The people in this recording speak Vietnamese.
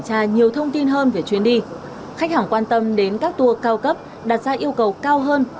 tra nhiều thông tin hơn về chuyến đi khách hàng quan tâm đến các tour cao cấp đặt ra yêu cầu cao hơn